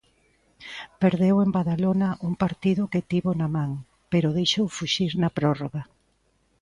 Perdeu en Badalona un partido que tivo na man, pero deixou fuxir na prórroga.